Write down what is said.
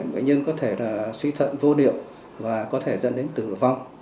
bệnh nhân có thể suy thận vô điệu và có thể dẫn đến tử vong